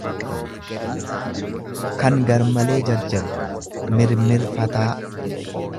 kan gar malee jarjaru, mirmirfataa.